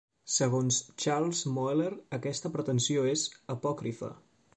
Segons Charles Moeller, "aquesta pretensió és apòcrifa".